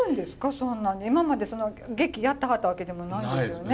そんなね今まで劇やってはったわけでもないですよね？